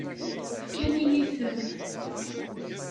Fkan-iyi-ten.